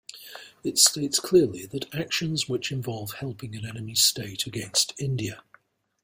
It states clearly that actions which involves helping an enemy state against India.